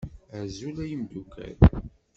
Azul ay imeddukkal